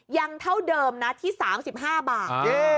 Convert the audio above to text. ยังเท่าเดิมนะที่๓๕บาท